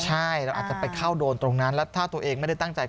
ใช่เราอาจจะไปเข้าโดนตรงนั้นแล้วถ้าตัวเองไม่ได้ตั้งใจ